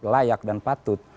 layak dan patut